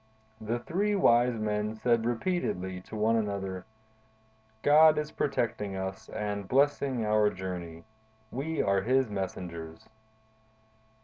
The three wise men said repeatedly to one another: 'God is protecting us and blessing our journey. We are His messengers.